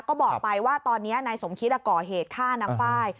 ก็บอกไปว่าตอนนี้นายสมคิดก่อเหตุฆ่านางไฟล์